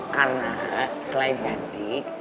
karena selain cantik